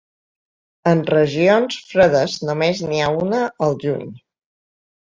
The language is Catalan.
En regions fredes només n'hi ha una al juny.